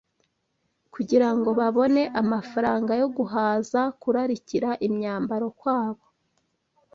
kugira ngo babone amafaranga yo guhaza kurarikira imyambaro kwabo